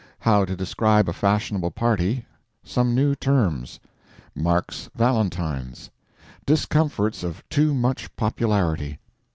How to Describe a Fashionable Party—Some New Terms. Mark's Valentines—Discomforts of Too Much Popularity.